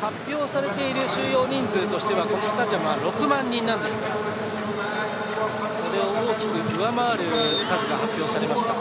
発表されている収容人数としてはこのスタジアムは６万人なんですがそれを大きく上回る数が発表されました。